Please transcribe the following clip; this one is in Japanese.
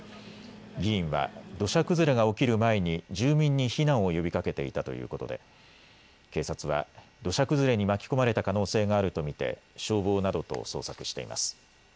議員は土砂崩れが起きる前に住民に避難を呼びかけていたということで警察は土砂崩れに巻き込まれた可能性があると見て消防などと捜索しています。